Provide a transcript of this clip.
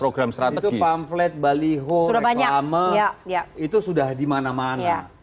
augustus itu pamflet baliho reklama itu sudah di mana mana